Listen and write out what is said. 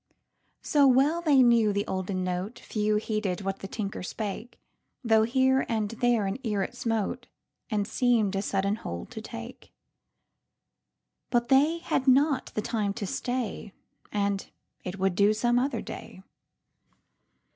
So well they knew the olden noteFew heeded what the tinker spake, Though here and there an ear it smoteAnd seem'd a sudden hold to take; But they had not the time to stay, And it would do some other day.